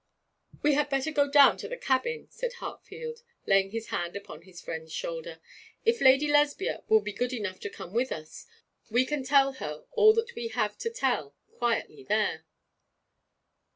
'We had better go down to the cabin,' said Hartfield, laying his hand upon his friend's shoulder. 'If Lady Lesbia will be good enough to come with us we can tell her all that we have to tell quietly there.'